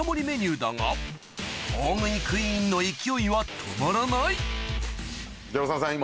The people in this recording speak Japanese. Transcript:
メニューだが大食いクイーンの勢いは止まらない